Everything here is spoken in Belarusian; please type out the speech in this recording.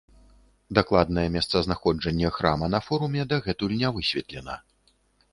Дакладнае месцазнаходжанне храма на форуме дагэтуль не высветлена.